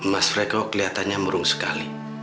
mas freko keliatannya murung sekali